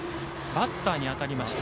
バッターに当たりました。